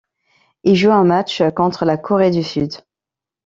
Il joue un match contre la Corée du Sud.